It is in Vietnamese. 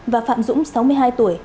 và phạm dũng sáu mươi hai tuổi